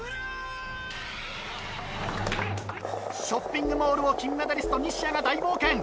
ショッピングモールを金メダリスト西矢が大冒険。